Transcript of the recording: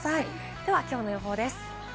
ではきょうの予報です。